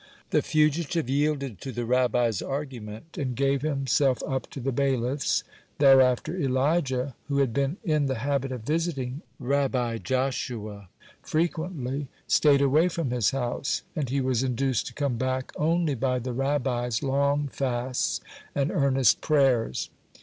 The fugitive yielded to the Rabbi's argument, and gave himself up to the bailiffs. Thereafter Elijah, who had been in the habit of visiting Rabbi Joshua frequently, stayed away from his house, and he was induced to come back only by the Rabbi's long fasts and earnest prayers.